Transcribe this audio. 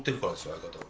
相方を。